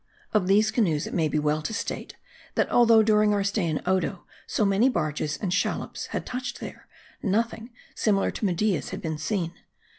Of these canoes, it may be well to state, that although during our stay in Odo, so many barges and shallops had touched there, nothing similar to Media's had been seen.